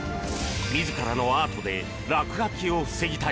自らのアートで落書きを防ぎたい！